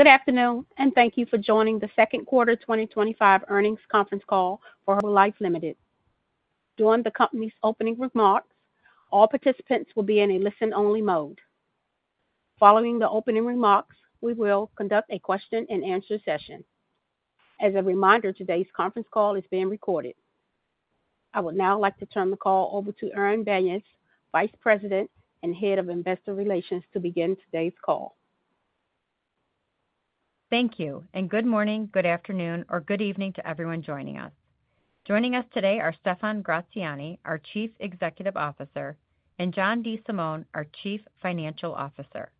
Good afternoon and thank you for joining the second quarter 2025 earnings conference call for Herbalife Ltd. To join the company's opening remarks, all participants will be in a listen-only mode. Following the opening remarks, we will conduct a question-and-answer session. As a reminder, today's conference call is being recorded. I would now like to turn the call over to Erin Banyas, Vice President and Head of Investor Relations, to begin today's call. Thank you, and good morning, good afternoon, or good evening to everyone joining us. Joining us today are Stephan Gratziani, our Chief Executive Officer, and John DeSimone, our Chief Financial Officer.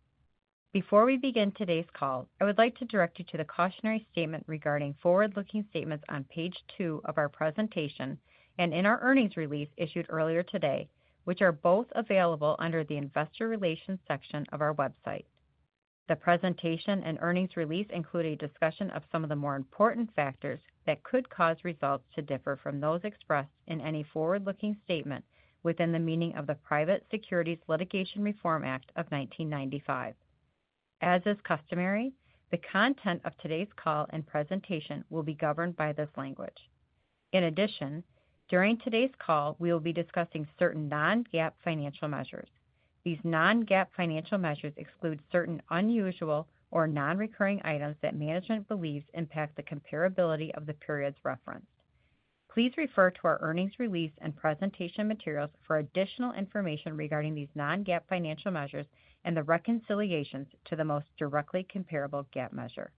Before we begin today's call, I would like to direct you to the cautionary statement regarding forward-looking statements on page two of our presentation and in our earnings release issued earlier today, which are both available under the Investor Relations section of our website. The presentation and earnings release include a discussion of some of the more important factors that could cause results to differ from those expressed in any forward-looking statement within the meaning of the Private Securities Litigation Reform Act of 1995. As is customary, the content of today's call and presentation will be governed by this language. In addition, during today's call, we will be discussing certain non-GAAP financial measures. These non-GAAP financial measures exclude certain unusual or non-recurring items that management believes impact the comparability of the periods referenced. Please refer to our earnings release and presentation materials for additional information regarding these non-GAAP financial measures and the reconciliations to the most directly comparable GAAP measure.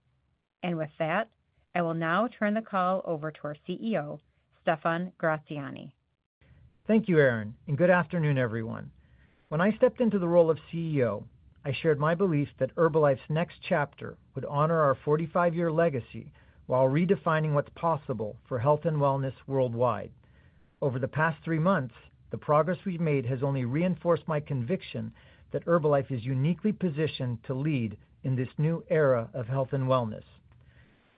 With that, I will now turn the call over to our CEO, Stephan Gratziani. Thank you, Erin, and good afternoon, everyone. When I stepped into the role of CEO, I shared my belief that Herbalife's next chapter would honor our 45-year legacy while redefining what's possible for health and wellness worldwide. Over the past three months, the progress we've made has only reinforced my conviction that Herbalife is uniquely positioned to lead in this new era of health and wellness.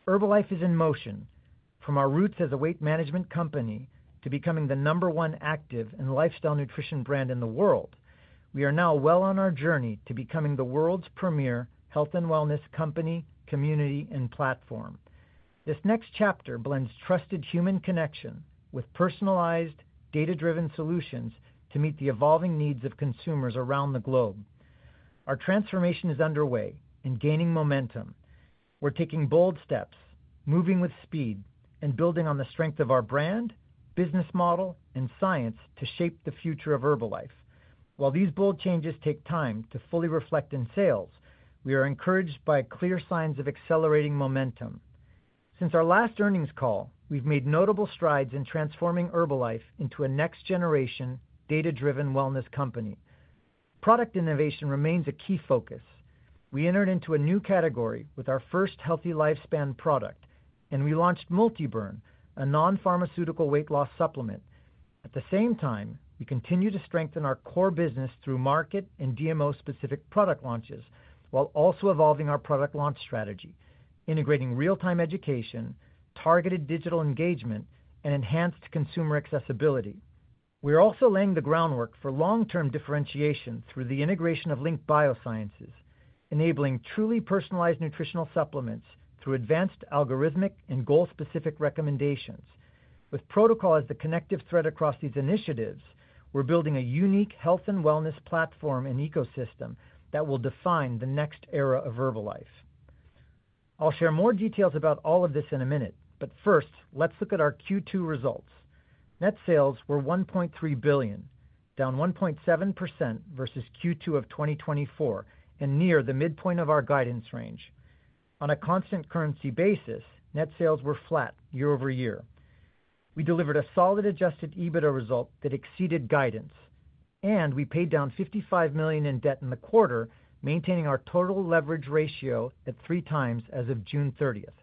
Herbalife is in motion. From our roots as a weight management company to becoming the number one active and lifestyle nutrition brand in the world, we are now well on our journey to becoming the world's premier health and wellness company, community, and platform. This next chapter blends trusted human connection with personalized, data-driven solutions to meet the evolving needs of consumers around the globe. Our transformation is underway and gaining momentum. We're taking bold steps, moving with speed, and building on the strength of our brand, business model, and science to shape the future of Herbalife. While these bold changes take time to fully reflect in sales, we are encouraged by clear signs of accelerating momentum. Since our last earnings call, we've made notable strides in transforming Herbalife into a next-generation, data-driven wellness company. Product innovation remains a key focus. We entered into a new category with our first healthy lifespan product, and we launched MultiBurn, a non-pharmaceutical weight loss supplement. At the same time, we continue to strengthen our core business through market and DMO-specific product launches, while also evolving our product launch strategy, integrating real-time education, targeted digital engagement, and enhanced consumer accessibility. We are also laying the groundwork for long-term differentiation through the integration of Link BioSciences, enabling truly personalized nutritional supplements through advanced algorithmic and goal-specific recommendations. With protocol as the connective thread across these initiatives, we're building a unique health and wellness platform and ecosystem that will define the next era of Herbalife. I'll share more details about all of this in a minute, but first, let's look at our Q2 results. Net sales were $1.3 billion, down 1.7% versus Q2 of 2024, and near the midpoint of our guidance range. On a constant currency basis, net sales were flat year-over-year. We delivered a solid adjusted EBITDA result that exceeded guidance, and we paid down $55 million in debt in the quarter, maintaining our total leverage ratio at 3 times as of June 30, 2023.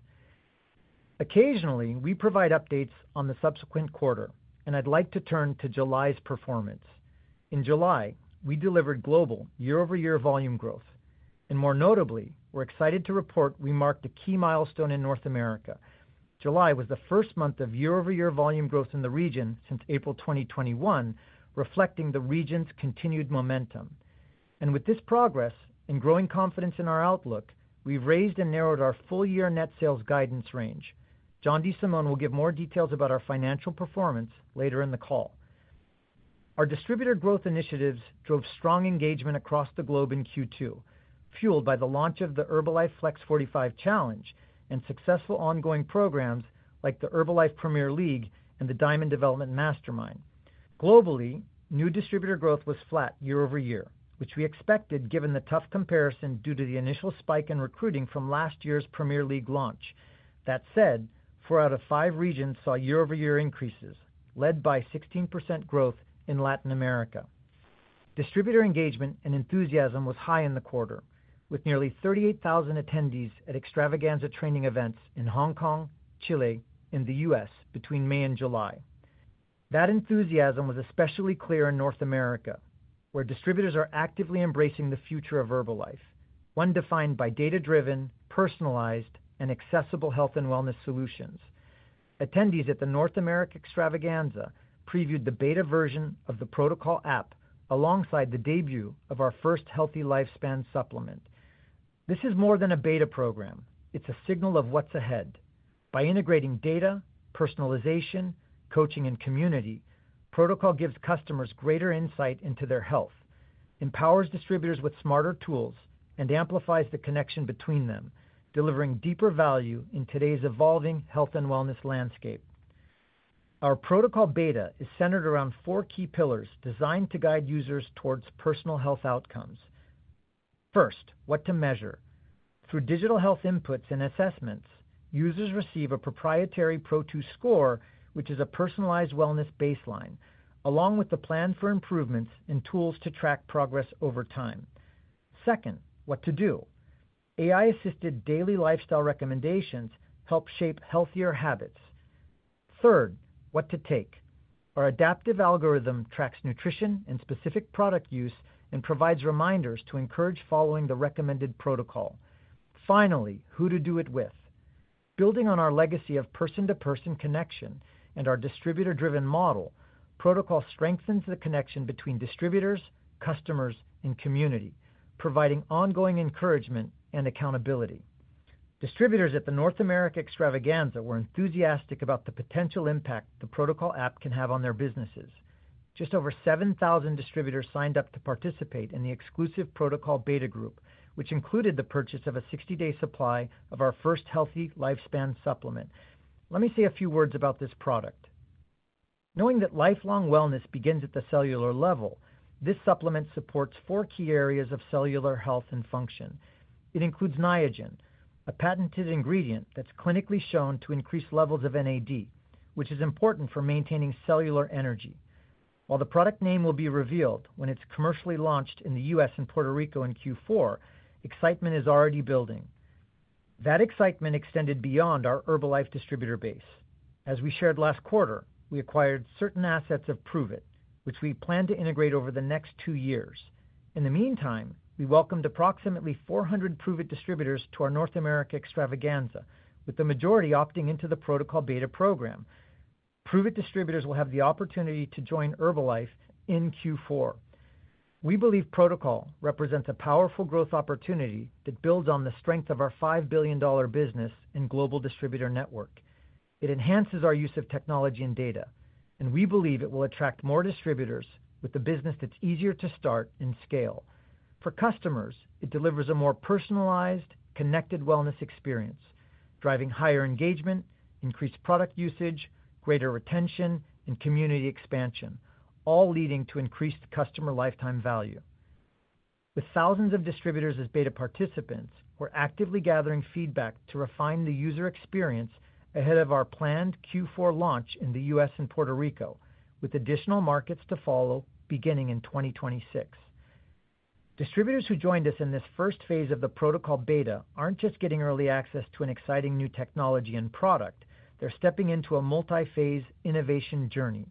Occasionally, we provide updates on the subsequent quarter, and I'd like to turn to July's performance. In July, we delivered global year-over-year volume growth, and more notably, we're excited to report we marked a key milestone in North America. July was the first month of year-over-year volume growth in the region since April 2021, reflecting the region's continued momentum. With this progress and growing confidence in our outlook, we've raised and narrowed our full-year net sales guidance range. John DeSimone will give more details about our financial performance later in the call. Our distributor growth initiatives drove strong engagement across the globe in Q2, fueled by the launch of the Herbalife Flex 45 Challenge and successful ongoing programs like the Herbalife Premier League and the Diamond Development Mastermind. Globally, new distributor growth was flat year-over-year, which we expected given the tough comparison due to the initial spike in recruiting from last year's Premier League launch. That said, four out of five regions saw year-over-year increases, led by 16% growth in Latin America. Distributor engagement and enthusiasm were high in the quarter, with nearly 38,000 attendees at extravaganza training events in Hong Kong, Chile, and the U.S. between May and July. That enthusiasm was especially clear in North America, where distributors are actively embracing the future of Herbalife, one defined by data-driven, personalized, and accessible health and wellness solutions. Attendees at the North America extravaganza previewed the beta version of the protocol app alongside the debut of our first healthy lifespan supplement. This is more than a beta program; it's a signal of what's ahead. By integrating data, personalization, coaching, and community, the protocol gives customers greater insight into their health, empowers distributors with smarter tools, and amplifies the connection between them, delivering deeper value in today's evolving health and wellness landscape. Our protocol beta is centered around four key pillars designed to guide users towards personal health outcomes. First, what to measure. Through digital health inputs and assessments, users receive a proprietary Pro2 Score, which is a personalized wellness baseline, along with the plan for improvements and tools to track progress over time. Second, what to do. AI-assisted daily lifestyle recommendations help shape healthier habits. Third, what to take. Our adaptive algorithm tracks nutrition and specific product use and provides reminders to encourage following the recommended protocol. Finally, who to do it with. Building on our legacy of person-to-person connection and our distributor-driven model, the protocol strengthens the connection between distributors, customers, and community, providing ongoing encouragement and accountability. Distributors at the North America extravaganza were enthusiastic about the potential impact the protocol app can have on their businesses. Just over 7,000 distributors signed up to participate in the exclusive protocol beta group, which included the purchase of a 60-day supply of our first healthy lifespan supplement. Let me say a few words about this product. Knowing that lifelong wellness begins at the cellular level, this supplement supports four key areas of cellular health and function. It includes Niagen, a patented ingredient that's clinically shown to increase levels of NAD, which is important for maintaining cellular energy. While the product name will be revealed when it's commercially launched in the U.S. and Puerto Rico in Q4, excitement is already building. That excitement extended beyond our Herbalife distributor base. As we shared last quarter, we acquired certain assets of ProVit, which we plan to integrate over the next two years. In the meantime, we welcomed approximately 400 ProVit distributors to our North America extravaganza, with the majority opting into the protocol beta program. ProVit distributors will have the opportunity to join Herbalife in Q4. We believe the protocol represents a powerful growth opportunity that builds on the strength of our $5 billion business and global distributor network. It enhances our use of technology and data, and we believe it will attract more distributors with a business that's easier to start and scale. For customers, it delivers a more personalized, connected wellness experience, driving higher engagement, increased product usage, greater retention, and community expansion, all leading to increased customer lifetime value. With thousands of distributors as beta participants, we're actively gathering feedback to refine the user experience ahead of our planned Q4 launch in the U.S. and Puerto Rico, with additional markets to follow beginning in 2026. Distributors who joined us in this first phase of the protocol beta aren't just getting early access to an exciting new technology and product, they're stepping into a multi-phase innovation journey.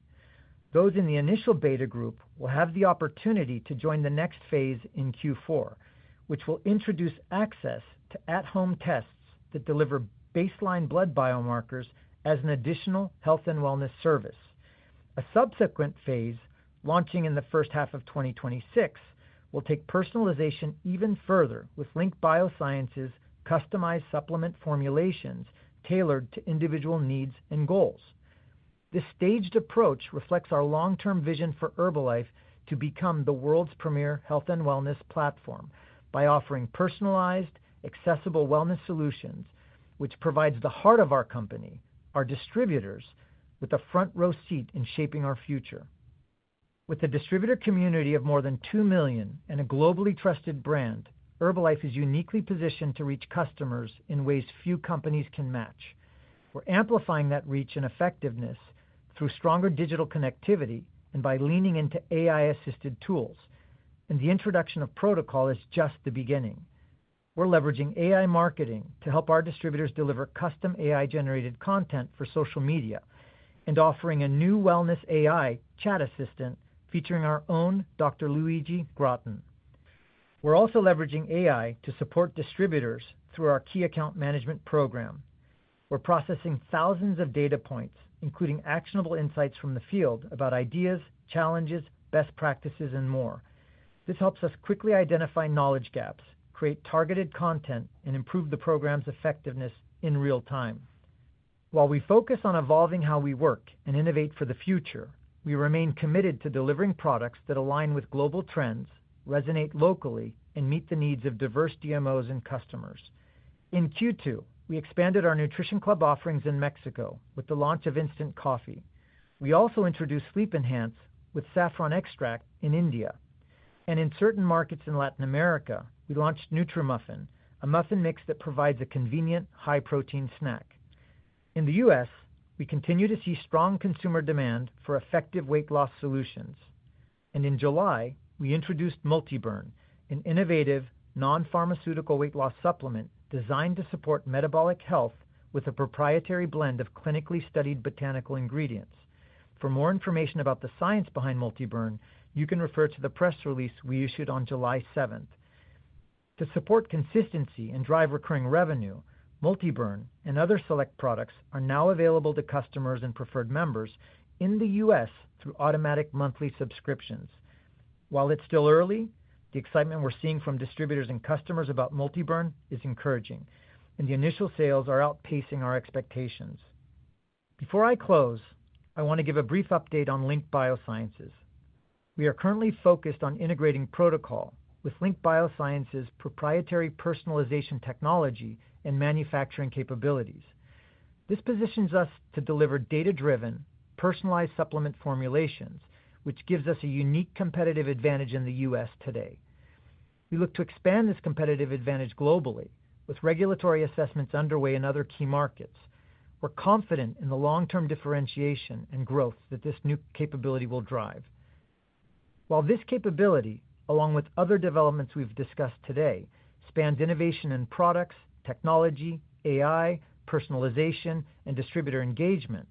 Those in the initial beta group will have the opportunity to join the next phase in Q4, which will introduce access to at-home tests that deliver baseline blood biomarkers as an additional health and wellness service. A subsequent phase, launching in the first half of 2026, will take personalization even further with Link BioSciences customized supplement formulations tailored to individual needs and goals. This staged approach reflects our long-term vision for Herbalife to become the world's premier health and wellness platform by offering personalized, accessible wellness solutions, which provides the heart of our company, our distributors, with a front-row seat in shaping our future. With a distributor community of more than 2 million and a globally trusted brand, Herbalife is uniquely positioned to reach customers in ways few companies can match. We're amplifying that reach and effectiveness through stronger digital connectivity and by leaning into AI-assisted tools, and the introduction of the protocol is just the beginning. We're leveraging AI marketing to help our distributors deliver custom AI-generated content for social media and offering a new wellness AI chat assistant featuring our own Dr. Luigi Gratton. We're also leveraging AI to support distributors through our key account management program. We're processing thousands of data points, including actionable insights from the field about ideas, challenges, best practices, and more. This helps us quickly identify knowledge gaps, create targeted content, and improve the program's effectiveness in real time. While we focus on evolving how we work and innovate for the future, we remain committed to delivering products that align with global trends, resonate locally, and meet the needs of diverse DMOs and customers. In Q2, we expanded our nutrition club offerings in Mexico with the launch of Instant Coffee. We also introduced Sleep Enhance with saffron extract in India. In certain markets in Latin America, we launched NutriMuffin, a muffin mix that provides a convenient, high-protein snack. In the U.S., we continue to see strong consumer demand for effective weight loss solutions. In July, we introduced MultiBurn, an innovative non-pharmaceutical weight loss supplement designed to support metabolic health with a proprietary blend of clinically studied botanical ingredients. For more information about the science behind MultiBurn, you can refer to the press release we issued on July 7. To support consistency and drive recurring revenue, MultiBurn and other select products are now available to customers and preferred members in the U.S. through automatic monthly subscriptions. While it's still early, the excitement we're seeing from distributors and customers about MultiBurn is encouraging, and the initial sales are outpacing our expectations. Before I close, I want to give a brief update on Link BioSciences. We are currently focused on integrating the protocol with Link BioSciences' proprietary personalization technology and manufacturing capabilities. This positions us to deliver data-driven, personalized supplement formulations, which gives us a unique competitive advantage in the U.S. today. We look to expand this competitive advantage globally, with regulatory assessments underway in other key markets. We're confident in the long-term differentiation and growth that this new capability will drive. This capability, along with other developments we've discussed today, spans innovation in products, technology, AI, personalization, and distributor engagement.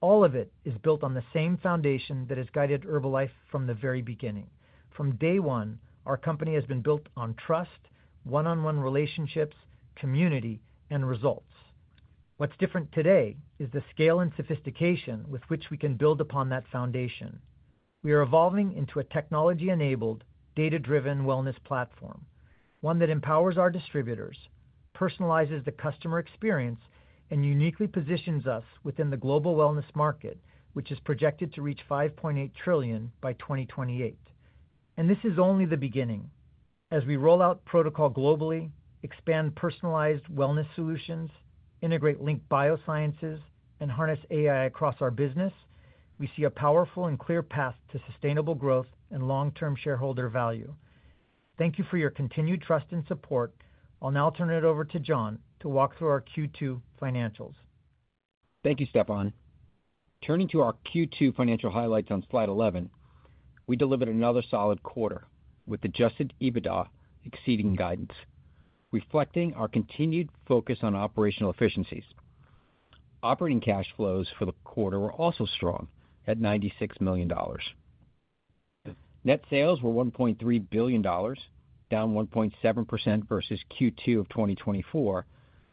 All of it is built on the same foundation that has guided Herbalife from the very beginning. From day one, our company has been built on trust, one-on-one relationships, community, and results. What's different today is the scale and sophistication with which we can build upon that foundation. We are evolving into a technology-enabled, data-driven wellness platform, one that empowers our distributors, personalizes the customer experience, and uniquely positions us within the global wellness market, which is projected to reach $5.8 trillion by 2028. This is only the beginning. As we roll out the protocol globally, expand personalized wellness solutions, integrate Link BioSciences, and harness AI across our business, we see a powerful and clear path to sustainable growth and long-term shareholder value. Thank you for your continued trust and support. I'll now turn it over to John to walk through our Q2 financials. Thank you, Stephan. Turning to our Q2 financial highlights on slide 11, we delivered another solid quarter with adjusted EBITDA exceeding guidance, reflecting our continued focus on operational efficiencies. Operating cash flows for the quarter were also strong at $96 million. Net sales were $1.3 billion, down 1.7% versus Q2 of 2024,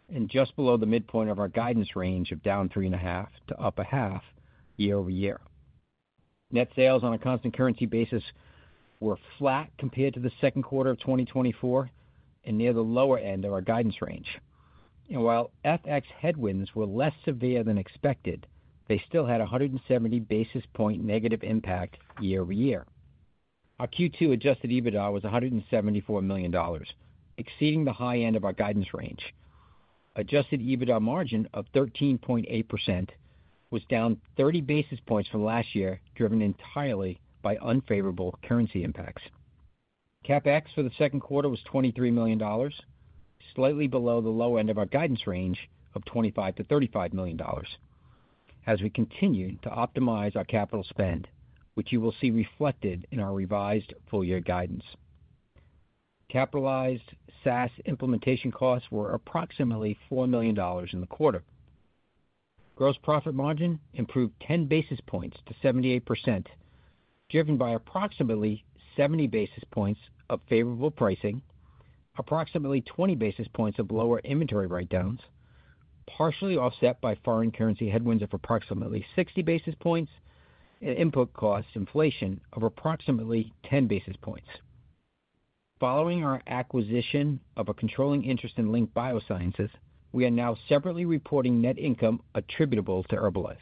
and just below the midpoint of our guidance range of down 3.5% to up 0.5% year-over-year. Net sales on a constant currency basis were flat compared to the second quarter of 2024 and near the lower end of our guidance range. While FX headwinds were less severe than expected, they still had a 170 basis point negative impact year-over-year. Our Q2 adjusted EBITDA was $174 million, exceeding the high end of our guidance range. Adjusted EBITDA margin of 13.8% was down 30 basis points from last year, driven entirely by unfavorable currency impacts. CapEx for the second quarter was $23 million, slightly below the low end of our guidance range of $25 Million-$35 million. As we continue to optimize our capital spend, which you will see reflected in our revised full-year guidance, capitalized SaaS implementation costs were approximately $4 million in the quarter. Gross profit margin improved 10 basis points to 78%, driven by approximately 70 basis points of favorable pricing, approximately 20 basis points of lower inventory write-downs, partially offset by foreign currency headwinds of approximately 60 basis points, and input cost inflation of approximately 10 basis points. Following our acquisition of a controlling interest in Link BioSciences, we are now separately reporting net income attributable to Herbalife.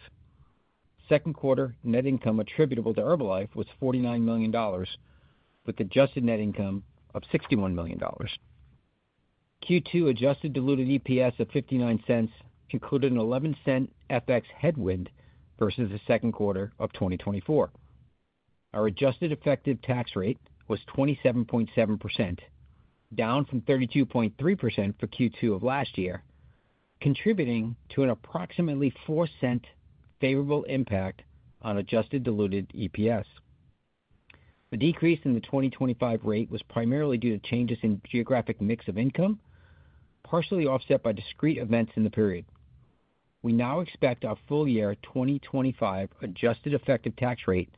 Second quarter net income attributable to Herbalife was $49 million, with adjusted net income of $61 million. Q2 adjusted diluted EPS of $0.59 included an $0.11 FX headwind versus the second quarter of 2024. Our adjusted effective tax rate was 27.7%, down from 32.3% for Q2 of last year, contributing to an approximately $0.04 favorable impact on adjusted diluted EPS. The decrease in the 2025 rate was primarily due to changes in geographic mix of income, partially offset by discrete events in the period. We now expect our full-year 2025 adjusted effective tax rate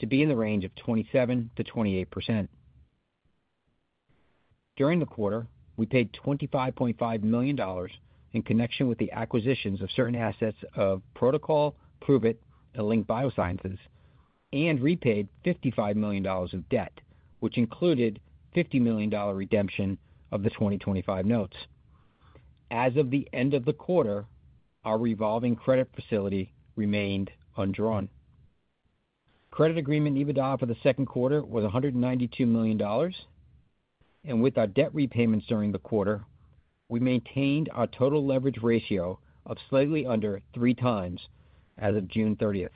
to be in the range of 27%-28%. During the quarter, we paid $25.5 million in connection with the acquisitions of certain assets of protocol, ProVit, and Link BioSciences, and repaid $55 million in debt, which included a $50 million redemption of the 2025 notes. As of the end of the quarter, our revolving credit facility remained undrawn. Credit agreement EBITDA for the second quarter was $192 million, and with our debt repayments during the quarter, we maintained our total leverage ratio of slightly under three times as of June 30.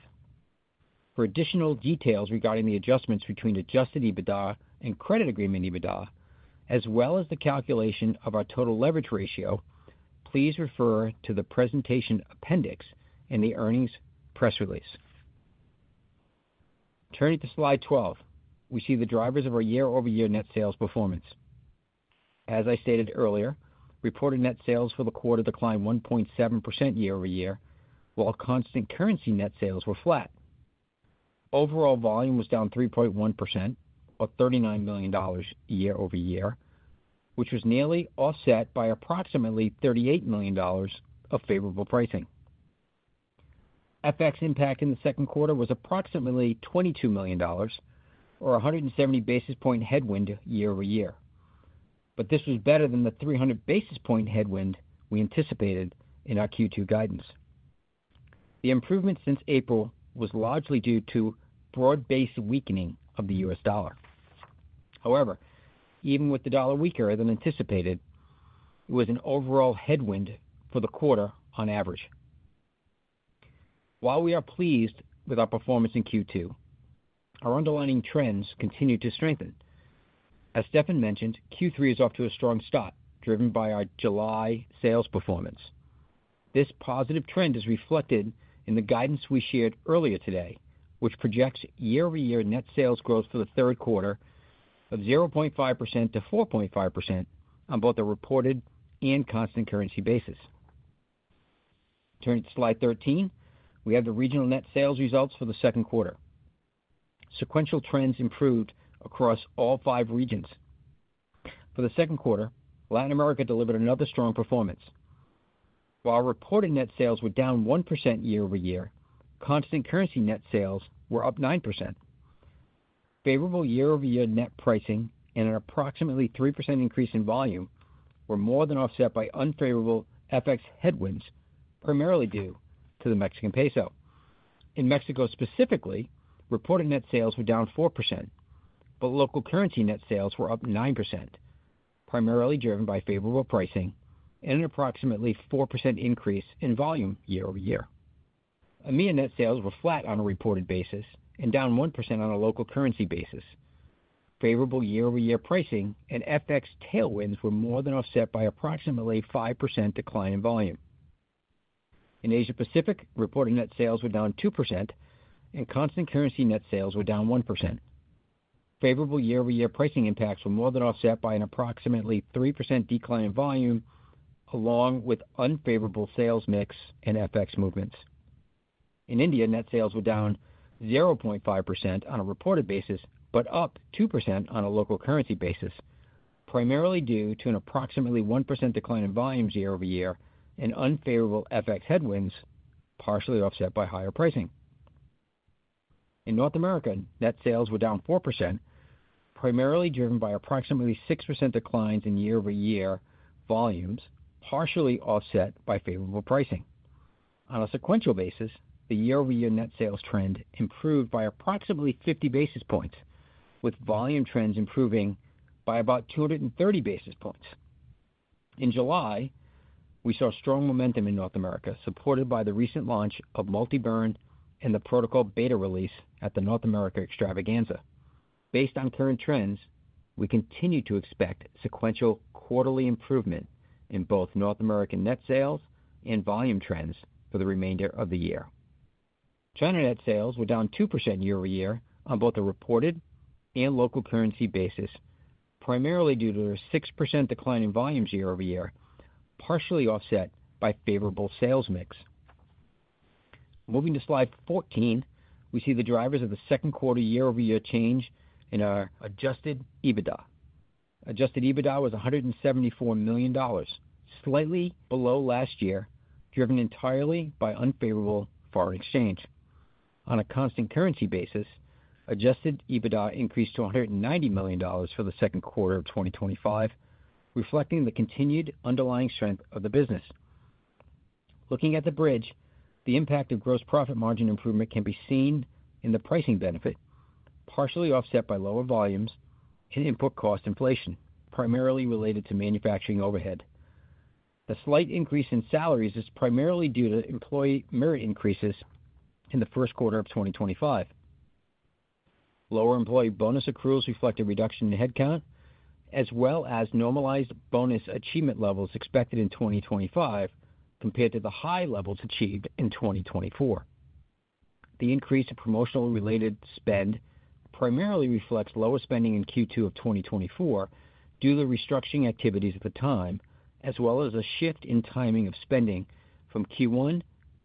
For additional details regarding the adjustments between adjusted EBITDA and credit agreement EBITDA, as well as the calculation of our total leverage ratio, please refer to the presentation appendix and the earnings press release. Turning to slide 12, we see the drivers of our year-over-year net sales performance. As I stated earlier, reported net sales for the quarter declined 1.7% year-over-year, while constant currency net sales were flat. Overall volume was down 3.1%, or $39 million year-over-year, which was nearly offset by approximately $38 million of favorable pricing. FX impact in the second quarter was approximately $22 million, or a 170 basis point headwind year-over-year, but this was better than the 300 basis point headwind we anticipated in our Q2 guidance. The improvement since April was largely due to broad-based weakening of the U.S. dollar. However, even with the dollar weaker than anticipated, it was an overall headwind for the quarter on average. While we are pleased with our performance in Q2, our underlying trends continue to strengthen. As Stephan mentioned, Q3 is off to a strong start, driven by our July sales performance. This positive trend is reflected in the guidance we shared earlier today, which projects year-over-year net sales growth for the third quarter of 0.5%-4.5% on both a reported and constant currency basis. Turning to slide 13, we have the regional net sales results for the second quarter. Sequential trends improved across all five regions. For the second quarter, Latin America delivered another strong performance. While reported net sales were down 1% year-over-year, constant currency net sales were up 9%. Favorable year-over-year net pricing and an approximately 3% increase in volume were more than offset by unfavorable FX headwinds, primarily due to the Mexican peso. In Mexico specifically, reported net sales were down 4%, but local currency net sales were up 9%, primarily driven by favorable pricing and an approximately 4% increase in volume year-over-year. EMEA net sales were flat on a reported basis and down 1% on a local currency basis. Favorable year-over-year pricing and FX tailwinds were more than offset by approximately a 5% decline in volume. In Asia Pacific, reported net sales were down 2%, and constant currency net sales were down 1%. Favorable year-over-year pricing impacts were more than offset by an approximately 3% decline in volume, along with unfavorable sales mix and FX movements. In India, net sales were down 0.5% on a reported basis but up 2% on a local currency basis, primarily due to an approximately 1% decline in volume year-over-year and unfavorable FX headwinds partially offset by higher pricing. In North America, net sales were down 4%, primarily driven by approximately 6% declines in year-over-year volumes partially offset by favorable pricing. On a sequential basis, the year-over-year net sales trend improved by approximately 50 basis points, with volume trends improving by about 230 basis points. In July, we saw strong momentum in North America, supported by the recent launch of MultiBurn and the protocol beta release at the North America extravaganza. Based on current trends, we continue to expect sequential quarterly improvement in both North American net sales and volume trends for the remainder of the year. China net sales were down 2% year-over-year on both a reported and local currency basis, primarily due to a 6% decline in volumes year-over-year, partially offset by favorable sales mix. Moving to slide 14, we see the drivers of the second quarter year-over-year change in our adjusted EBITDA. Adjusted EBITDA was $174 million, slightly below last year, driven entirely by unfavorable foreign exchange. On a constant currency basis, adjusted EBITDA increased to $190 million for the second quarter of 2025, reflecting the continued underlying strength of the business. Looking at the bridge, the impact of gross profit margin improvement can be seen in the pricing benefit, partially offset by lower volumes and input cost inflation, primarily related to manufacturing overhead. The slight increase in salaries is primarily due to employee merit increases in the first quarter of 2025. Lower employee bonus accruals reflect a reduction in headcount, as well as normalized bonus achievement levels expected in 2025 compared to the high levels achieved in 2024. The increase in promotional-related spend primarily reflects lower spending in Q2 of 2024 due to the restructuring activities at the time, as well as a shift in timing of spending from Q1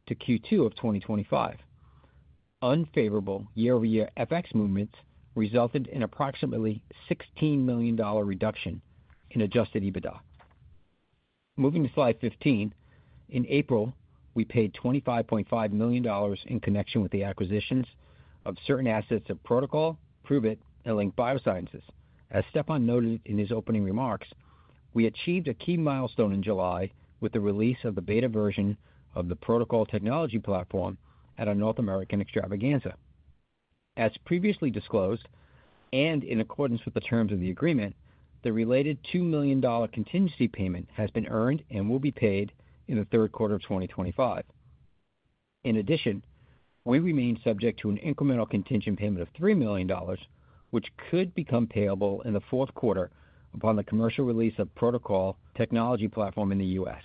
to Q2 of 2025. Unfavorable year-over-year FX movements resulted in an approximately $16 million reduction in adjusted EBITDA. Moving to slide 15, in April, we paid $25.5 million in connection with the acquisitions of certain assets of protocol, ProVit, and Link BioSciences. As Stephan noted in his opening remarks, we achieved a key milestone in July with the release of the beta version of the protocol technology platform at our North American Extravaganza. As previously disclosed and in accordance with the terms of the agreement, the related $2 million contingency payment has been earned and will be paid in the third quarter of 2025. In addition, we remain subject to an incremental contingent payment of $3 million, which could become payable in the fourth quarter upon the commercial release of the protocol technology platform in the U.S.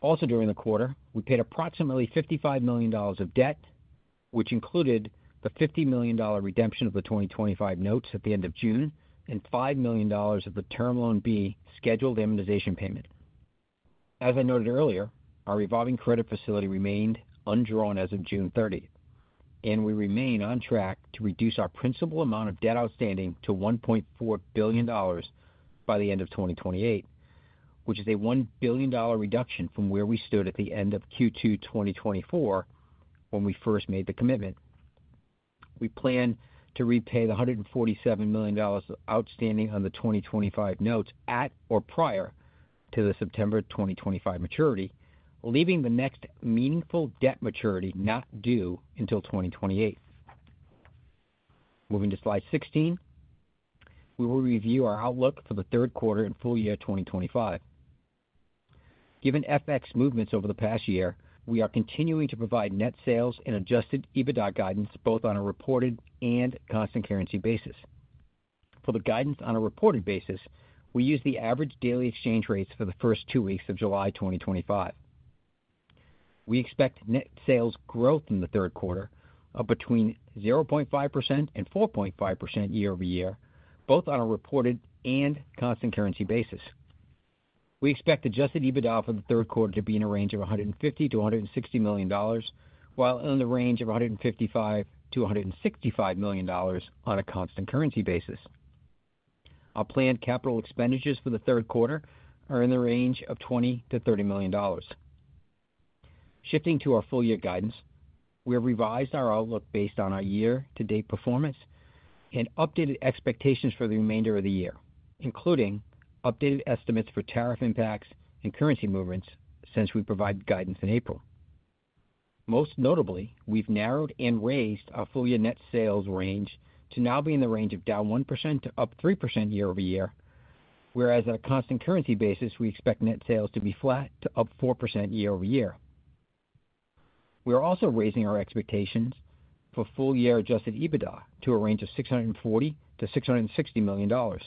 Also during the quarter, we paid approximately $55 million of debt, which included the $50 million redemption of the 2025 notes at the end of June and $5 million of the Term Loan B scheduled amortization payment. As I noted earlier, our revolving credit facility remained undrawn as of June 30, and we remain on track to reduce our principal amount of debt outstanding to $1.4 billion by the end of 2028, which is a $1 billion reduction from where we stood at the end of Q2 2024 when we first made the commitment. We plan to repay the $147 million outstanding on the 2025 notes at or prior to the September 2025 maturity, leaving the next meaningful debt maturity not due until 2028. Moving to slide 16, we will review our outlook for the third quarter and full year 2025. Given FX movements over the past year, we are continuing to provide net sales and adjusted EBITDA guidance both on a reported and constant currency basis. For the guidance on a reported basis, we use the average daily exchange rates for the first two weeks of July 2025. We expect net sales growth in the third quarter of between 0.5% and 4.5% year-over-year, both on a reported and constant currency basis. We expect adjusted EBITDA for the third quarter to be in the range of $150 million-$160 million, while in the range of $155 million-$165 million on a constant currency basis. Our planned capital expenditures for the third quarter are in the range of $20 million-$30 million. Shifting to our full-year guidance, we have revised our outlook based on our year-to-date performance and updated expectations for the remainder of the year, including updated estimates for tariff impacts and currency movements since we provided guidance in April. Most notably, we've narrowed and raised our full-year net sales range to now be in the range of down 1% to up 3% year-over-year, whereas at a constant currency basis, we expect net sales to be flat to up 4% year-over-year. We are also raising our expectations for full-year adjusted EBITDA to a range of $640 million-$660 million,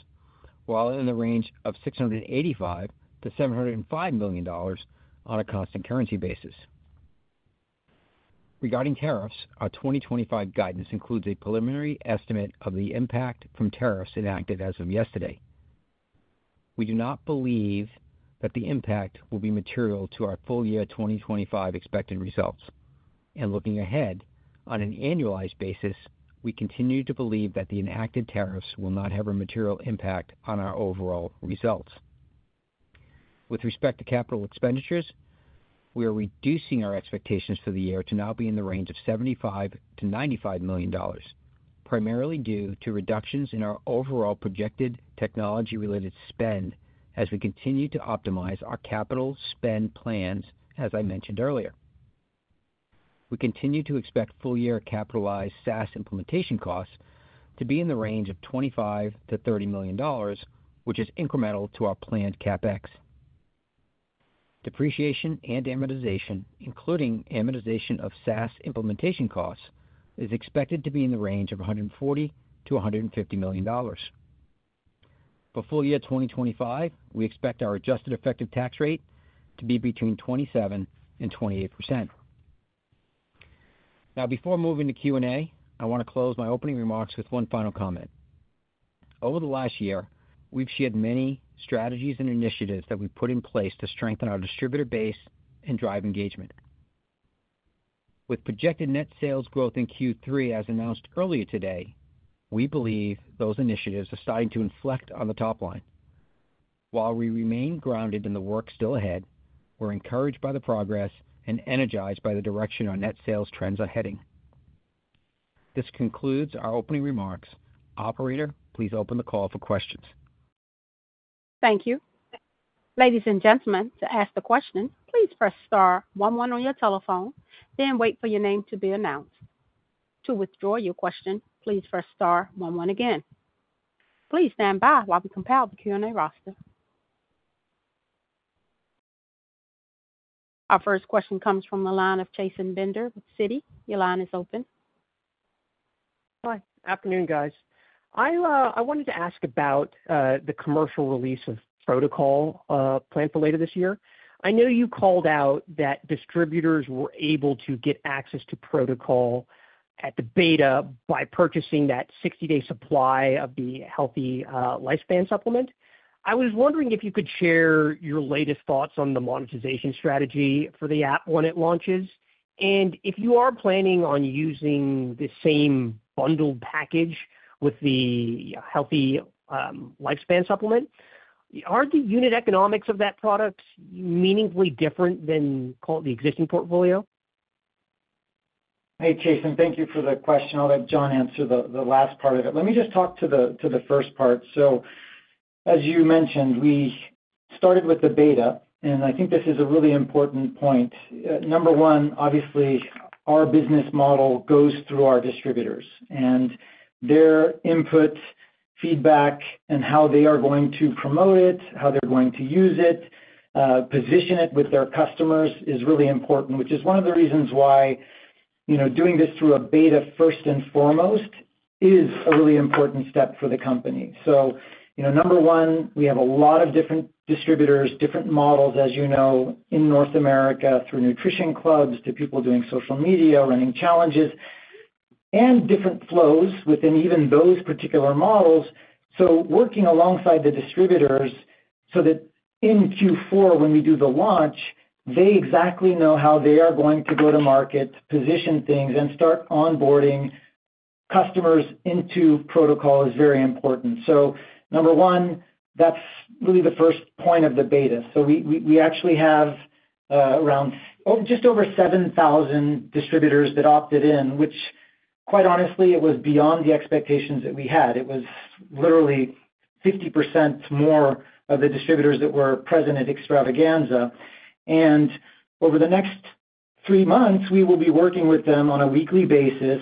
while in the range of $685 million-$705 million on a constant currency basis. Regarding tariffs, our 2025 guidance includes a preliminary estimate of the impact from tariffs enacted as of yesterday. We do not believe that the impact will be material to our full-year 2025 expected results, and looking ahead on an annualized basis, we continue to believe that the enacted tariffs will not have a material impact on our overall results. With respect to capital expenditures, we are reducing our expectations for the year to now be in the range of $75 million-$95 million, primarily due to reductions in our overall projected technology-related spend as we continue to optimize our capital spend plans, as I mentioned earlier. We continue to expect full-year capitalized SaaS implementation costs to be in the range of $25 million-$30 million, which is incremental to our planned CapEx. Depreciation and amortization, including amortization of SaaS implementation costs, is expected to be in the range of $140 million-$150 million. For full year 2025, we expect our adjusted effective tax rate to be between 27% and 28%. Now, before moving to Q&A, I want to close my opening remarks with one final comment. Over the last year, we've shared many strategies and initiatives that we've put in place to strengthen our distributor base and drive engagement. With projected net sales growth in Q3, as announced earlier today, we believe those initiatives are starting to inflect on the top line. While we remain grounded in the work still ahead, we're encouraged by the progress and energized by the direction our net sales trends are heading. This concludes our opening remarks. Operator, please open the call for questions. Thank you. Ladies and gentlemen, to ask a question, please press star one-one on your telephone, then wait for your name to be announced. To withdraw your question, please press star one-one again. Please stand by while we compile the Q&A roster. Our first question comes from the line of Jason Bender with Citi. Your line is open. Hi. Good afternoon, guys. I wanted to ask about the commercial release of protocol planned for later this year. I know you called out that distributors were able to get access to protocol at the beta by purchasing that 60-day supply of the healthy lifespan supplement. I was wondering if you could share your latest thoughts on the monetization strategy for the app when it launches, and if you are planning on using the same bundled package with the healthy lifespan supplement. Are the unit economics of that product meaningfully different than the existing portfolio? Hey, Jason, thank you for the question. I'll let John answer the last part of it. Let me just talk to the first part. As you mentioned, we started with the beta, and I think this is a really important point. Number one, obviously, our business model goes through our distributors, and their input, feedback, and how they are going to promote it, how they're going to use it, position it with their customers is really important, which is one of the reasons why doing this through a beta first and foremost is a really important step for the company. Number one, we have a lot of different distributors, different models, as you know, in North America through nutrition clubs to people doing social media, running challenges, and different flows within even those particular models. Working alongside the distributors so that in Q4, when we do the launch, they exactly know how they are going to go to market, position things, and start onboarding customers into protocol is very important. Number one, that's really the first point of the beta. We actually have around just over 7,000 distributors that opted in, which, quite honestly, it was beyond the expectations that we had. It was literally 50% more of the distributors that were present at extravaganza. Over the next three months, we will be working with them on a weekly basis,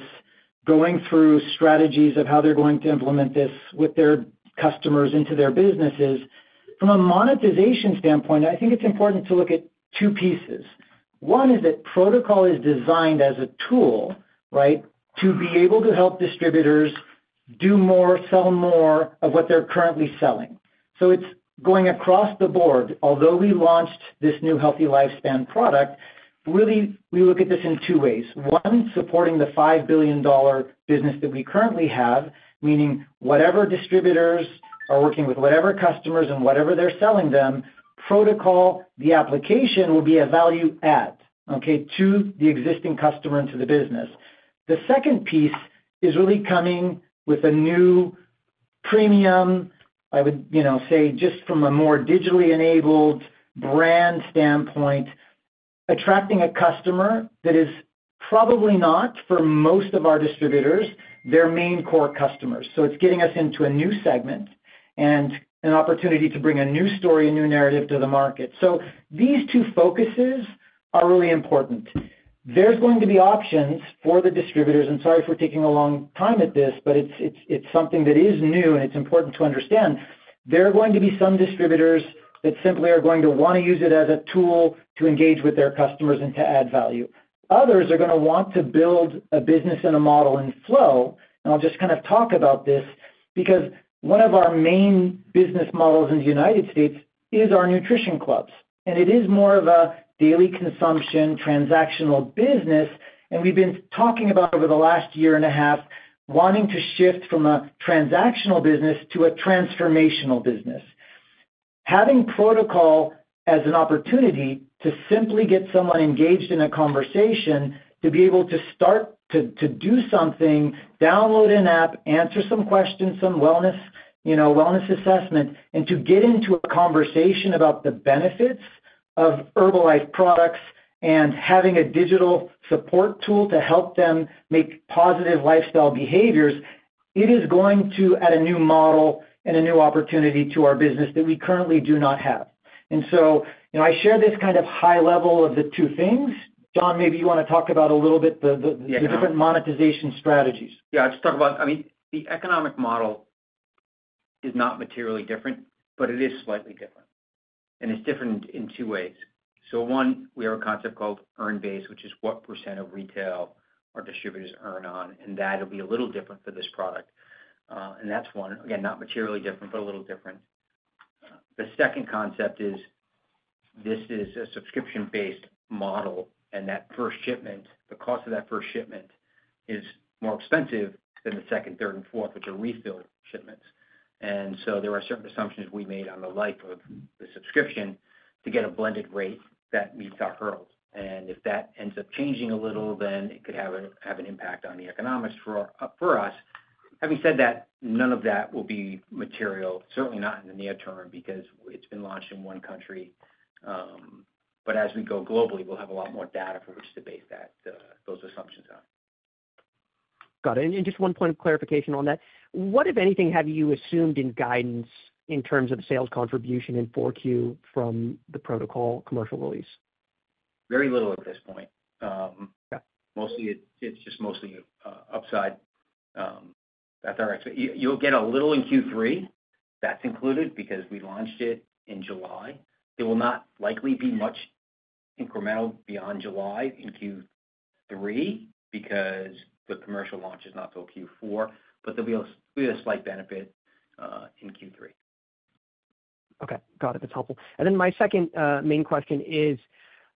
going through strategies of how they're going to implement this with their customers into their businesses. From a monetization standpoint, I think it's important to look at two pieces. One is that protocol is designed as a tool, right, to be able to help distributors do more, sell more of what they're currently selling. It's going across the board. Although we launched this new healthy lifespan product, really, we look at this in two ways. One, supporting the $5 billion business that we currently have, meaning whatever distributors are working with, whatever customers, and whatever they're selling them, protocol, the application will be a value add to the existing customer and to the business. The second piece is really coming with a new premium, I would say just from a more digitally enabled brand standpoint, attracting a customer that is probably not, for most of our distributors, their main core customers. It's getting us into a new segment and an opportunity to bring a new story, a new narrative to the market. These two focuses are really important. There are going to be options for the distributors, and sorry for taking a long time at this, but it's something that is new, and it's important to understand. There are going to be some distributors that simply are going to want to use it as a tool to engage with their customers and to add value. Others are going to want to build a business and a model in flow. I'll just talk about this because one of our main business models in the United States is our nutrition clubs, and it is more of a daily consumption, transactional business. We've been talking about over the last year and a half wanting to shift from a transactional business to a transformational business. Having protocol as an opportunity to simply get someone engaged in a conversation, to be able to start to do something, download an app, answer some questions, some wellness assessment, and to get into a conversation about the benefits of Herbalife products and having a digital support tool to help them make positive lifestyle behaviors, it is going to add a new model and a new opportunity to our business that we currently do not have. I share this kind of high level of the two things. John, maybe you want to talk about a little bit the different monetization strategies. Yeah, I'll just talk about, I mean, the economic model is not materially different, but it is slightly different, and it's different in two ways. One, we have a concept called earn-based, which is what percentage of retail our distributors earn on, and that'll be a little different for this product. That's one, again, not materially different, but a little different. The second concept is this is a subscription-based model, and that first shipment, the cost of that first shipment is more expensive than the second, third, and fourth, which are refilled shipments. There are certain assumptions we made on the life of the subscription to get a blended rate that meets our hurdles. If that ends up changing a little, then it could have an impact on the economics for us. Having said that, none of that will be material, certainly not in the near term, because it's been launched in one country. As we go globally, we'll have a lot more data for which to base those assumptions on. Got it. Just one point of clarification on that. What, if anything, have you assumed in guidance in terms of sales contribution in 4Q from the protocol commercial release? Very little at this point. Mostly, it's just mostly upside. That's our expectation. You'll get a little in Q3. That's included because we launched it in July. It will not likely be much incremental beyond July in Q3 because the commercial launch is not until Q4, but there'll be a slight benefit in Q3. Okay, got it. That's helpful. My second main question is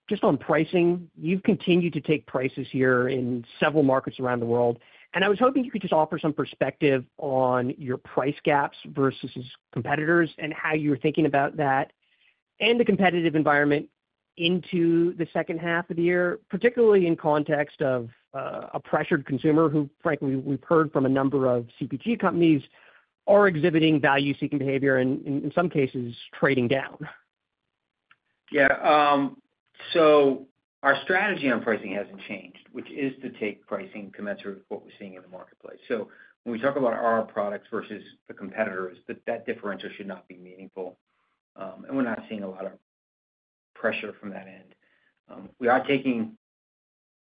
just on pricing. You've continued to take prices here in several markets around the world, and I was hoping you could just offer some perspective on your price gaps versus competitors and how you're thinking about that and the competitive environment into the second half of the year, particularly in context of a pressured consumer who, frankly, we've heard from a number of CPG companies, are exhibiting value-seeking behavior and in some cases trading down. Our strategy on pricing hasn't changed, which is to take pricing commensurate with what we're seeing in the marketplace. When we talk about our products versus the competitors, that differential should not be meaningful, and we're not seeing a lot of pressure from that end. We are taking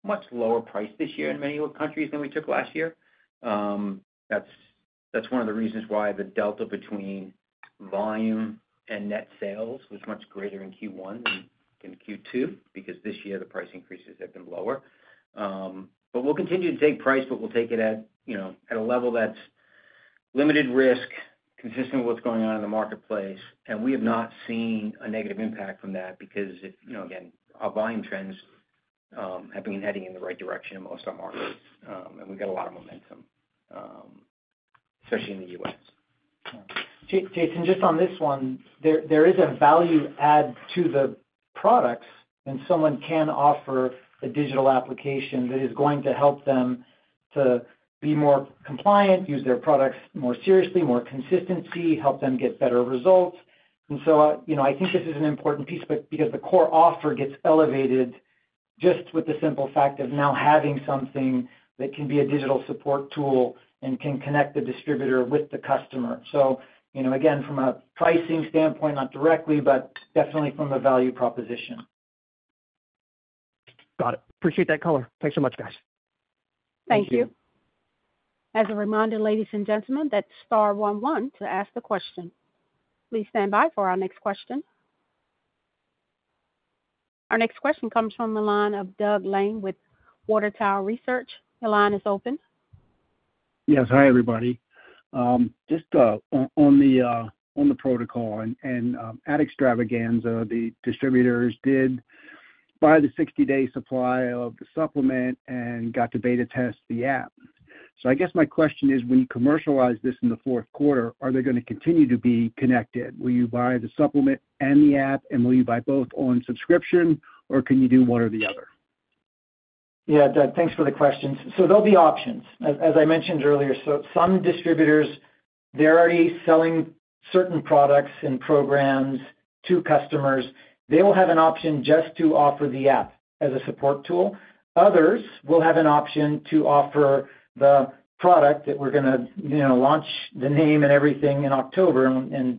a much lower price this year in many countries than we took last year. That's one of the reasons why the delta between volume and net sales was much greater in Q1 than Q2, because this year the price increases have been lower. We'll continue to take price, but we'll take it at a level that's limited risk, consistent with what's going on in the marketplace, and we have not seen a negative impact from that because, you know, again, our volume trends have been heading in the right direction in most of our markets, and we've got a lot of momentum, especially in the U.S. Jason, just on this one, there is a value add to the product, and someone can offer a digital application that is going to help them to be more compliant, use their products more seriously, more consistency, help them get better results. I think this is an important piece, because the core offer gets elevated just with the simple fact of now having something that can be a digital support tool and can connect the distributor with the customer. Again, from a pricing standpoint, not directly, but definitely from a value proposition. Got it. Appreciate that color. Thanks so much, guys. Thank you. As a reminder, ladies and gentlemen, that's star one-one to ask a question. Please stand by for our next question. Our next question comes from the line of Doug Lane with Water Tower Research. Your line is open. Yes, hi everybody. Just on the protocol and at Extravaganza, the distributors did buy the 60-day supply of the supplement and got to beta test the app. I guess my question is, when you commercialize this in the fourth quarter, are they going to continue to be connected? Will you buy the supplement and the app, and will you buy both on subscription, or can you do one or the other? Yeah, Doug, thanks for the question. There'll be options. As I mentioned earlier, some distributors are already selling certain products and programs to customers. They will have an option just to offer the app as a support tool. Others will have an option to offer the product that we're going to launch, the name and everything, in October. I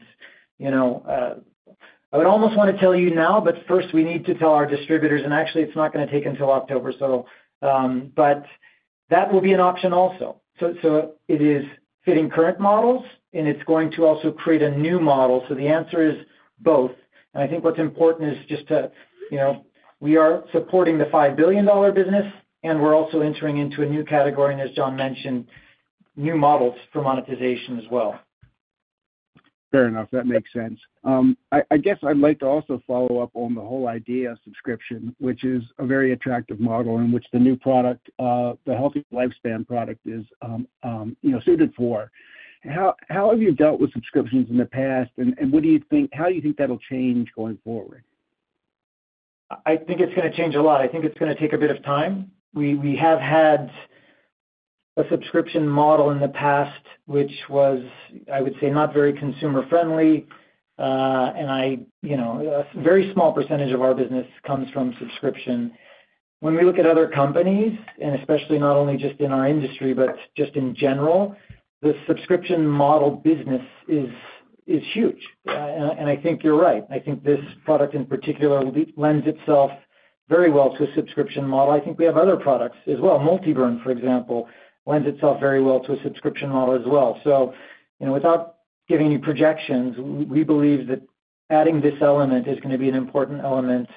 would almost want to tell you now, but first we need to tell our distributors, and actually it's not going to take until October, so that will be an option also. It is fitting current models, and it's going to also create a new model. The answer is both. I think what's important is just to, you know, we are supporting the $5 billion business, and we're also entering into a new category, and as John mentioned, new models for monetization as well. Fair enough. That makes sense. I guess I'd like to also follow up on the whole idea of subscription, which is a very attractive model in which the new product, the healthy lifespan supplement, is suited for. How have you dealt with subscriptions in the past, and what do you think, how do you think that'll change going forward? I think it's going to change a lot. I think it's going to take a bit of time. We have had a subscription model in the past, which was, I would say, not very consumer-friendly, and a very small percentage of our business comes from subscription. When we look at other companies, and especially not only just in our industry, but just in general, the subscription model business is huge. I think you're right. I think this product in particular lends itself very well to a subscription model. I think we have other products as well. MultiBurn, for example, lends itself very well to a subscription model as well. Without giving any projections, we believe that adding this element is going to be an important element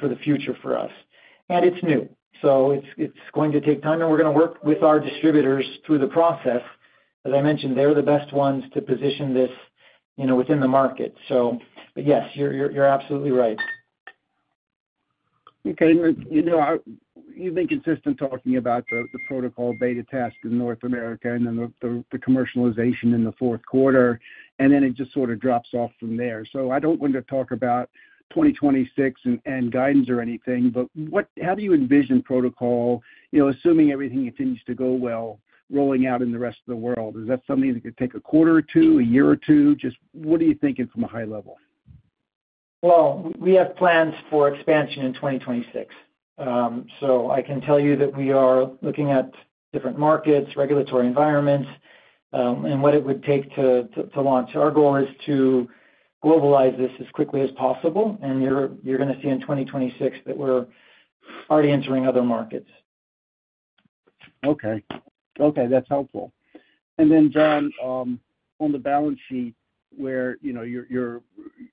for the future for us. It's new. It's going to take time, and we're going to work with our distributors through the process. As I mentioned, they're the best ones to position this within the market. Yes, you're absolutely right. Okay. You've been consistent talking about the protocol beta test in North America and then the commercialization in the fourth quarter, and then it just sort of drops off from there. I don't want to talk about 2026 and guidance or anything, but how do you envision protocol, you know, assuming everything continues to go well, rolling out in the rest of the world? Is that something that could take a quarter or two, a year or two? Just what are you thinking from a high level? We have plans for expansion in 2026. I can tell you that we are looking at different markets, regulatory environments, and what it would take to launch. Our goal is to globalize this as quickly as possible, and you're going to see in 2026 that we're already entering other markets. Okay, that's helpful. John, on the balance sheet where you're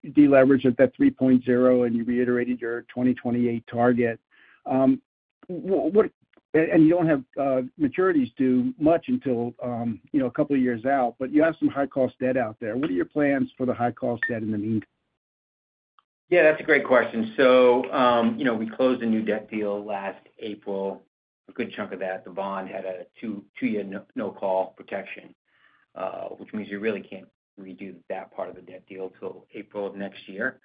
deleveraged at that 3.0 and you reiterated your 2028 target, you don't have maturities due much until a couple of years out, but you have some high-cost debt out there. What are your plans for the high-cost debt in the meet? Yeah, that's a great question. We closed a new debt deal last April. A good chunk of that, the bond had a two-year no-call protection, which means you really can't redo that part of the debt deal till April of next year.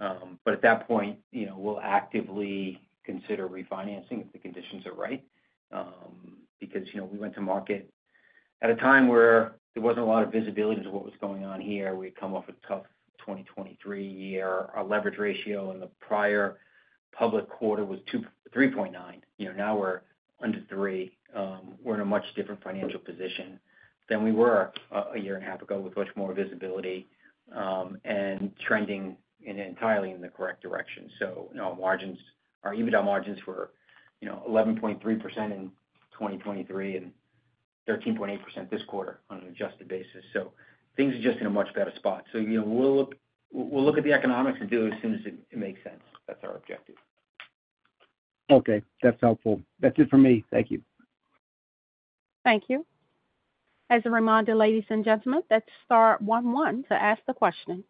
At that point, we'll actively consider refinancing if the conditions are right. We went to market at a time where there wasn't a lot of visibility to what was going on here. We'd come off a tough 2023 year. Our leverage ratio in the prior public quarter was 3.9. Now we're under 3. We're in a much different financial position than we were a year and a half ago with much more visibility and trending entirely in the correct direction. Our margins, our EBITDA margins were 11.3% in 2023 and 13.8% this quarter on an adjusted basis. Things are just in a much better spot. We'll look at the economics and do it as soon as it makes sense. That's our objective. Okay, that's helpful. That's it for me. Thank you. Thank you. As a reminder, ladies and gentlemen, that's star one-one to ask the question.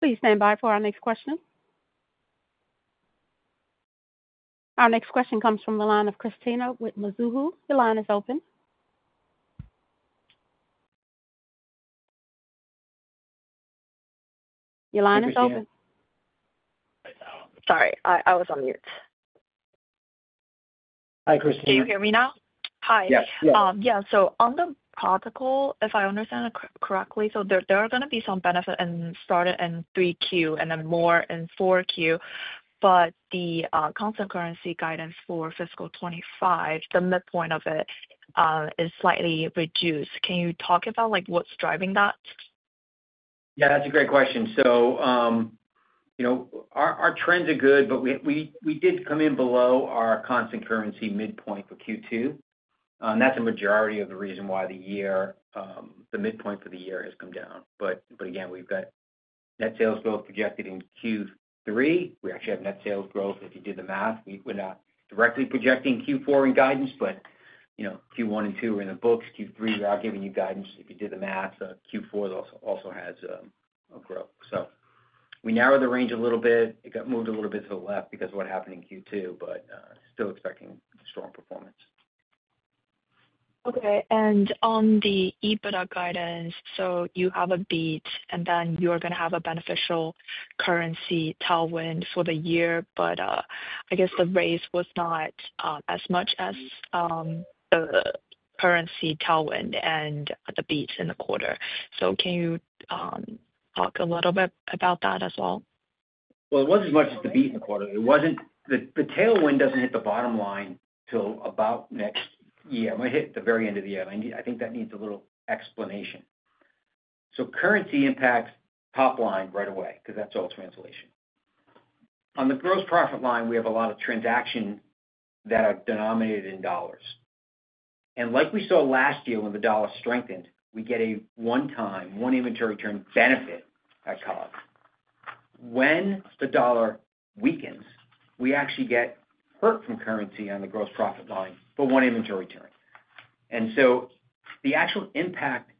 Please stand by for our next question. Our next question comes from the line of Christina with Mizuho. Your line is open. Sorry, I was on mute. Hi, Christina. Can you hear me now? Hi. Yes. Yeah, on the protocol, if I understand it correctly, there are going to be some benefits started in Q3 and then more in Q4, but the constant currency guidance for fiscal 2025, the midpoint of it, is slightly reduced. Can you talk about what's driving that? Yeah, that's a great question. Our trends are good, but we did come in below our constant currency midpoint for Q2. That's a majority of the reason why the midpoint for the year has come down. Again, we've got net sales growth projected in Q3. We actually have net sales growth. If you did the math, we're not directly projecting Q4 in guidance, but Q1 and Q2 are in the books. Q3, we're out giving you guidance. If you did the math, Q4 also has growth. We narrowed the range a little bit. It got moved a little bit to the left because of what happened in Q2, but still expecting strong performance. Okay, on the EBITDA guidance, you have a beat, and you're going to have a beneficial currency tailwind for the year. I guess the raise was not as much as the currency tailwind and the beat in the quarter. Can you talk a little bit about that as well? It wasn't as much as the beat in the quarter. The tailwind doesn't hit the bottom line till about next year. It might hit the very end of the year. I think that needs a little explanation. Currency impacts top line right away because that's all translation. On the gross profit line, we have a lot of transactions that are denominated in dollars. Like we saw last year when the dollar strengthened, we get a one-time, one inventory turn benefit at cost. When the dollar weakens, we actually get hurt from currency on the gross profit volume for one inventory turn. The actual impact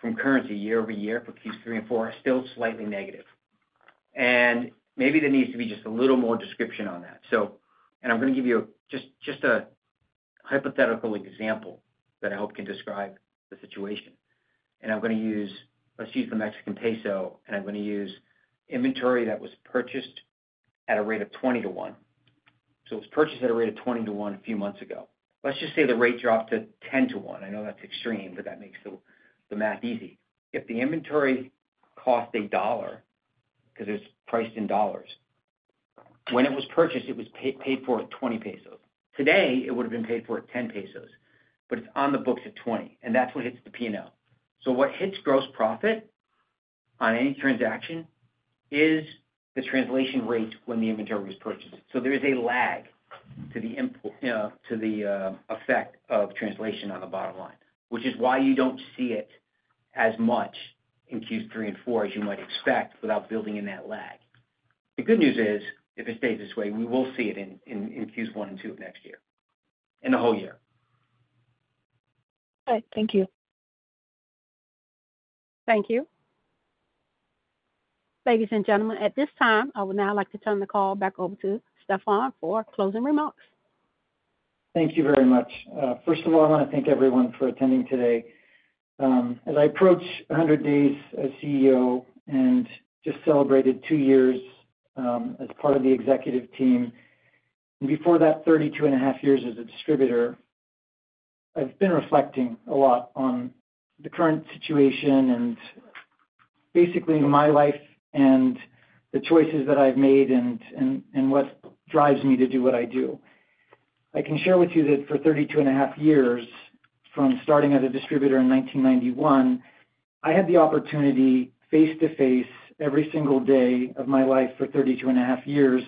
from currency year-over-year for Q3 and Q4 is still slightly negative. Maybe there needs to be just a little more description on that. I'm going to give you just a hypothetical example that I hope can describe the situation. I'm going to use the Mexican peso, and I'm going to use inventory that was purchased at a rate of 20 to 1. It was purchased at a rate of 20 to 1 a few months ago. Let's just say the rate dropped to 10 to 1. I know that's extreme, but that makes the math easy. If the inventory cost $1, because it was priced in dollars, when it was purchased, it was paid for at 20 pesos. Today, it would have been paid for at 10 pesos, but it's on the books at 20, and that's what hits the P&L. What hits gross profit on any transaction is the translation rates when the inventory was purchased. There is a lag to the effect of translation on the bottom line, which is why you don't see it as much in Q3 and Q4 as you might expect without building in that lag. The good news is, if it stays this way, we will see it in Q1 and Q2 of next year, in the whole year. All right, thank you. Thank you. Ladies and gentlemen, at this time, I would now like to turn the call back over to Stephan for closing remarks. Thank you very much. First of all, I want to thank everyone for attending today. As I approach 100 days as CEO and just celebrated two years as part of the executive team, and before that, 32.5 years as a distributor, I've been reflecting a lot on the current situation and basically my life and the choices that I've made and what drives me to do what I do. I can share with you that for 32.5 years, from starting as a distributor in 1991, I had the opportunity face-to-face every single day of my life for 32.5 years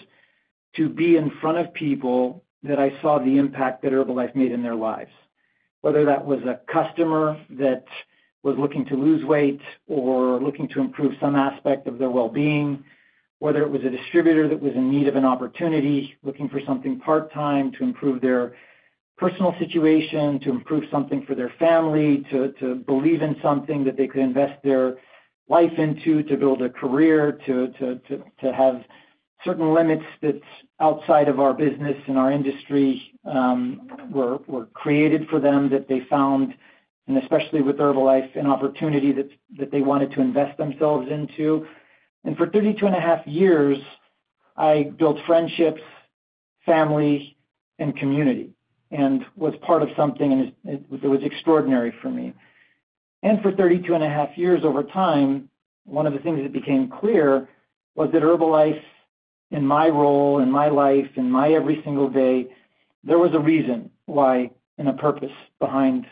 to be in front of people that I saw the impact that Herbalife made in their lives. Whether that was a customer that was looking to lose weight or looking to improve some aspect of their well-being, whether it was a distributor that was in need of an opportunity, looking for something part-time to improve their personal situation, to improve something for their family, to believe in something that they could invest their life into, to build a career, to have certain limits that outside of our business and our industry were created for them that they found, and especially with Herbalife, an opportunity that they wanted to invest themselves into. For 32.5 years, I built friendships, family, and community, and was part of something that was extraordinary for me. For 32.5 years over time, one of the things that became clear was that Herbalife, in my role, in my life, in my every single day, there was a reason why and a purpose behind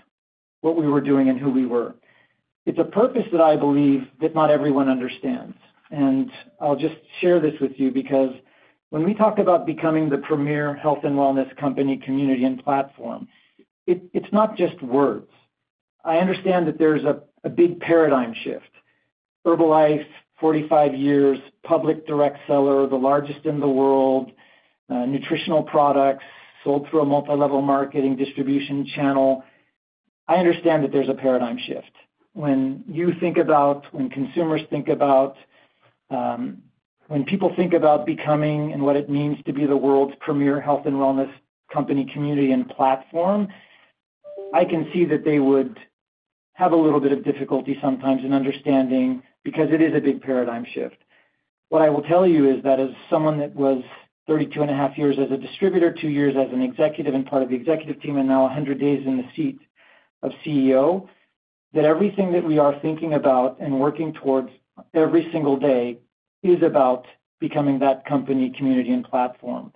what we were doing and who we were. It's a purpose that I believe that not everyone understands. I'll just share this with you because when we talked about becoming the premier health and wellness company, community, and platform, it's not just words. I understand that there's a big paradigm shift. Herbalife, 45 years, public direct seller, the largest in the world, nutritional products sold through a multilevel marketing distribution channel. I understand that there's a paradigm shift. When you think about, when consumers think about, when people think about becoming and what it means to be the world's premier health and wellness company, community, and platform, I can see that they would have a little bit of difficulty sometimes in understanding because it is a big paradigm shift. What I will tell you is that as someone that was 32.5 years as a distributor, two years as an executive and part of the executive team, and now 100 days in the seat of CEO, everything that we are thinking about and working towards every single day is about becoming that company, community, and platform.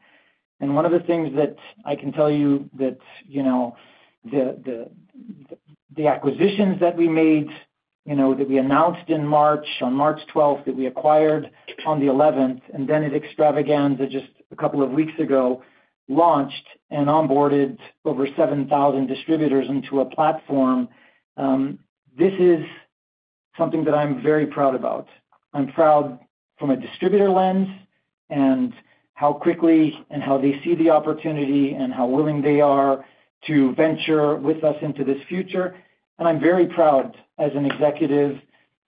One of the things that I can tell you is that the acquisitions that we made, that we announced in March, on March 12, that we acquired on the 11th, and then at Extravaganza just a couple of weeks ago, launched and onboarded over 7,000 distributors into a platform. This is something that I'm very proud about. I'm proud from a distributor lens and how quickly and how they see the opportunity and how willing they are to venture with us into this future. I'm very proud as an executive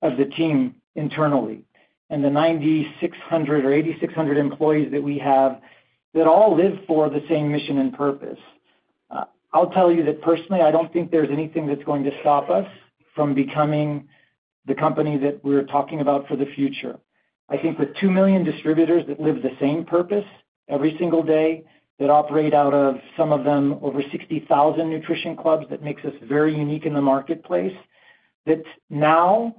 of the team internally and the 9,600 or 8,600 employees that we have that all live for the same mission and purpose. I'll tell you that personally, I don't think there's anything that's going to stop us from becoming the company that we're talking about for the future. I think the 2 million distributors that live the same purpose every single day, that operate out of some of them over 60,000 nutrition clubs, that makes us very unique in the marketplace, that now,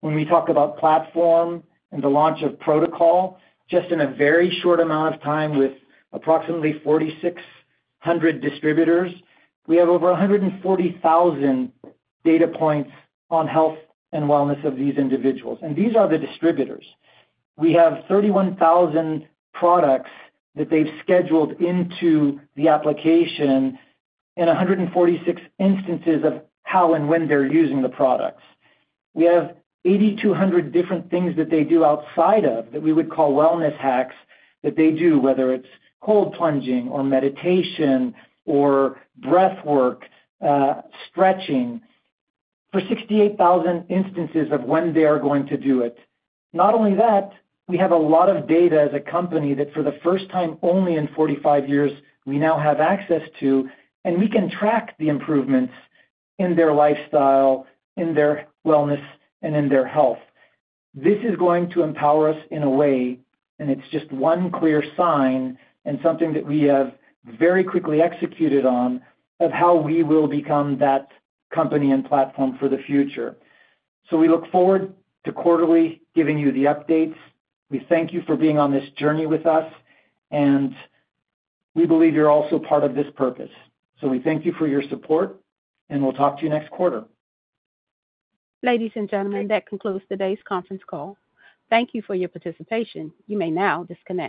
when we talk about platform and the launch of protocol, just in a very short amount of time with approximately 4,600 distributors, we have over 140,000 data points on health and wellness of these individuals. These are the distributors. We have 31,000 products that they've scheduled into the application and 146 instances of how and when they're using the products. We have 8,200 different things that they do outside of that we would call wellness hacks that they do, whether it's cold plunging or meditation or breath work, stretching, for 68,000 instances of when they are going to do it. Not only that, we have a lot of data as a company that for the first time only in 45 years, we now have access to, and we can track the improvements in their lifestyle, in their wellness, and in their health. This is going to empower us in a way, and it's just one clear sign and something that we have very quickly executed on of how we will become that company and platform for the future. We look forward to quarterly giving you the updates. We thank you for being on this journey with us, and we believe you're also part of this purpose. Thank you for your support, and we'll talk to you next quarter. Ladies and gentlemen, that concludes today's conference call. Thank you for your participation. You may now disconnect.